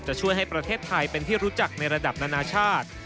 ช่วยให้ประเทศไทยเป็นที่รู้จักในระดับนานาชาติ